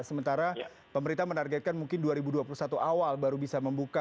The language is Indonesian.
sementara pemerintah menargetkan mungkin dua ribu dua puluh satu awal baru bisa membuka